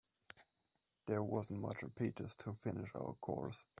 There wasn't much impetus to finish our chores.